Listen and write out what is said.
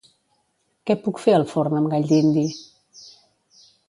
Què puc fer al forn amb gall dindi?